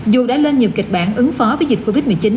dù đã lên nhiều kịch bản ứng phó với dịch covid một mươi chín